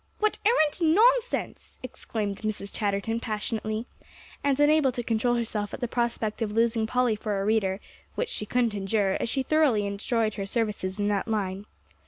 "What arrant nonsense!" exclaimed Mrs. Chatterton passionately, and unable to control herself at the prospect of losing Polly for a reader, which she couldn't endure, as she thoroughly enjoyed her services in that line.